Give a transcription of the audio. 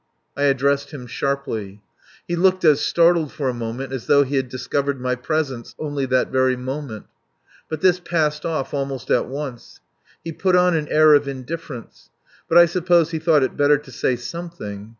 I addressed him sharply. He looked as startled for a moment as though he had discovered my presence only that very moment. But this passed off almost at once. He put on an air of indifference. But I suppose he thought it better to say something.